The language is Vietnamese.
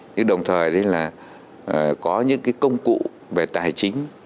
nhưng đồng thời có những công cụ về tài chính